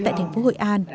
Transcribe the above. tại thành phố hội an